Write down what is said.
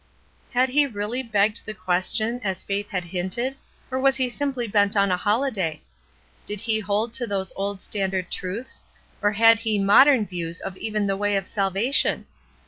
^" Had he really begged the question, as Faith had hinted, or was he simply bent on a holiday ? Did he hold to those old standard truths, or had he modern views of even the way of salvation